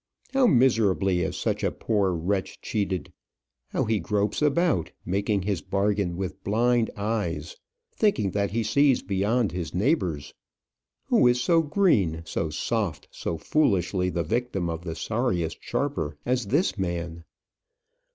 How miserably is such a poor wretch cheated! How he gropes about, making his bargain with blind eyes; thinking that he sees beyond his neighbours! Who is so green, so soft, so foolishly the victim of the sorriest sharper as this man?